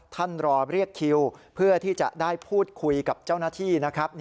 ท่านรอเรียกคิวเพื่อที่จะได้พูดคุยกับเจ้าหน้าที่นะครับ